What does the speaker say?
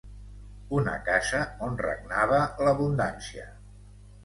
Una casa on regnava l'abundància.